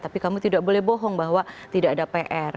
tapi kamu tidak boleh bohong bahwa tidak ada pr